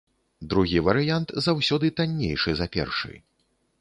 Другі варыянт заўсёды таннейшы за першы.